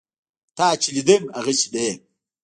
تا چې لیدم هغسې نه یم.